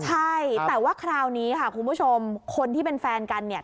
ใช่แต่ว่าคราวนี้ค่ะคุณผู้ชมคนที่เป็นแฟนกันเนี่ย